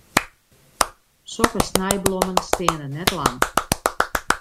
Sokke snijblommen steane net lang.